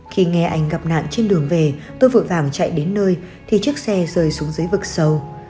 khi nghe anh gặp nạn trên đường về tôi vội vàng chạy đến nơi thì chiếc xe rời xuống dưới vực sâu